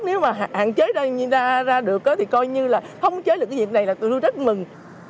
nếu mà hạn chế ra đường thì coi như là không chế được cái việc này là tôi rất mừng